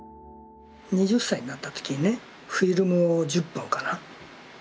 ２０歳になった時にねフィルムを１０本かな